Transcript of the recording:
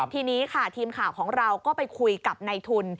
ทีนี้ค่ะทีมข่าวของเราก็ไปคุยกับในทุน